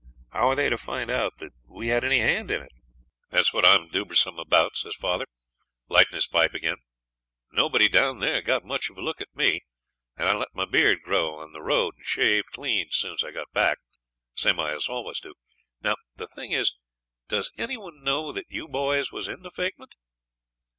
How are they to find out that we had any hand in it?' 'That's what I'm dubersome about,' says father, lightin' his pipe again. 'Nobody down there got much of a look at me, and I let my beard grow on the road and shaved clean soon's I got back, same as I always do. Now the thing is, does any one know that you boys was in the fakement?'